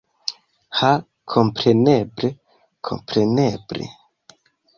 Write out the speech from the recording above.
Ha kompreneble kompreneble